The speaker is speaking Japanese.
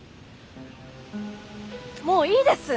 もういいです。